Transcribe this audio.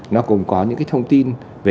nó cũng có những cái thông tin về